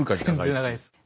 全然長いです。